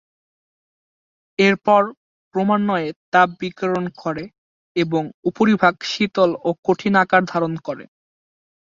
এরপর ক্রমান্বয়ে তাপ বিকিরণ করে এবং উপরিভাগ শীতল ও কঠিন আকার ধারণ করে।